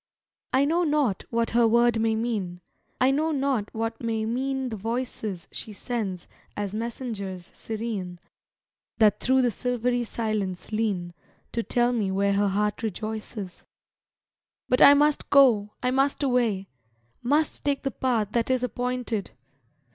I know not what her word may mean, I know not what may mean the voices She sends as messengers serene, That through the silvery silence lean, To tell me where her heart rejoices. But I must go! I must away! Must take the path that is appointed!